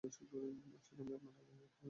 আসলে আমি আপনার আগে থেকেই ওয়েট করছিলাম, সরি।